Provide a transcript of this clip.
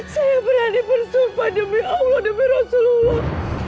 saya berani bersumpah demi allah demi rasulullah